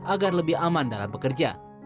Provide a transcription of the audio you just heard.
agar lebih aman dalam bekerja